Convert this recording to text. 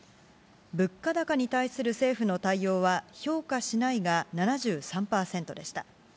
物価高に対する政府の対応は、評価しないが７３％でした。